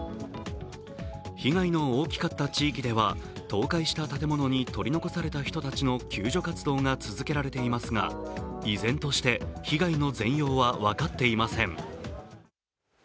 被害の大きかった地域では倒壊した建物に取り残された人たちの救助活動が続けられていますが依然として被害の全容は分かっていません。